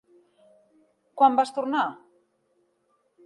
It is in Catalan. Quan vas tornar?